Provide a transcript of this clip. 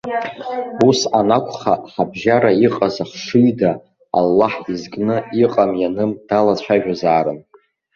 Ус анакәха, ҳабжьара иҟаз ахшыҩда, Аллаҳ изкны иҟам ианым далацәажәозаарын.